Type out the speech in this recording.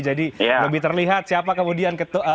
jadi lebih terlihat siapa kemudian